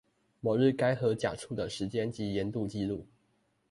某日該河甲處的時間及鹽度記錄